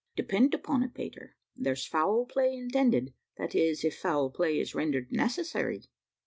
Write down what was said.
"Depend upon it, Peter, there's foul play intended, that is, if foul play is rendered necessary."